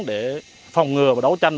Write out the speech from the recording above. để phòng ngừa và đấu tranh